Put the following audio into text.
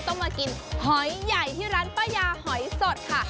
ต้องมากินหอยใหญ่ที่ร้านป้ายาหอยสดค่ะ